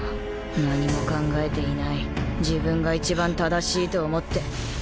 何も考えていない自分が一番正しいと思って。